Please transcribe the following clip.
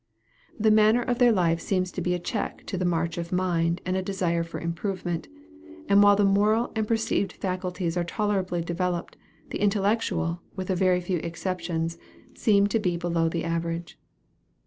The manner of their life seems to be a check to the march of mind and a desire for improvement; and while the moral and perceptive faculties are tolerably developed, the intellectual, with a very few exceptions, seem to be below the average.